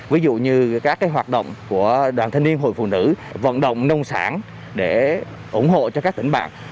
ví dụ như các hoạt động của đoàn thanh niên hội phụ nữ vận động nông sản để ủng hộ cho các tỉnh bạn